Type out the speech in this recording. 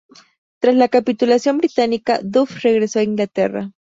Tras la capitulación británica, Duff regresó a Inglaterra.